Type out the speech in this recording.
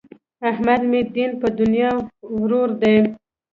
احمد مې دین په دنیا ورور دی.